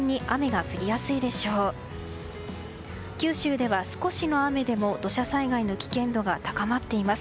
九州では少しの雨でも土砂災害の危険度が高まっています。